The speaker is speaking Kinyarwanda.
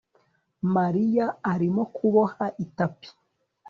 Mariya arimo kuboha itapi